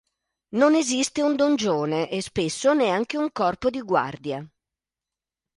Non esiste un dongione, e spesso neanche un corpo di guardia.